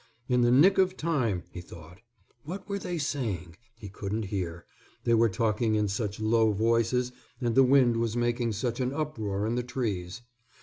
In the nick of time, he thought. What were they saying? He couldn't hear, they were talking in such low voices and the wind was making such an uproar in the trees.